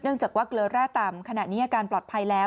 จากว่าเกลือแร่ต่ำขณะนี้อาการปลอดภัยแล้ว